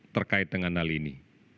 terkait dengan hal ini